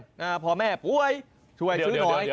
คุณพาแม่ป่วยเซวนสีหนอย